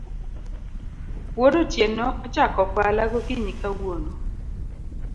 Wuod Otieno ochako okwala gokinyi kawuono